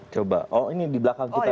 coba oh ini di belakang kita